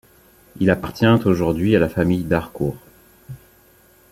Il appartient aujourd'hui à la famille d'Harcourt.